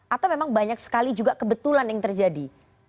atau memang banyak sekali juga kebetulan yang terjadi